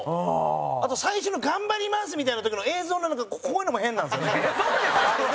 あと、最初の「頑張ります！」みたいな時の映像のなんかこういうのも変なんですよね。